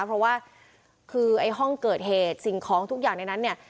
เพราะว่าคือไอ้ห้องเกิดเหตุสิ่งของทุกอย่างในนั้นเนี่ย